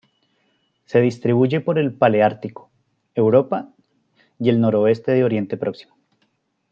Se distribuye por el paleártico: Europa y el noroeste de Oriente Próximo.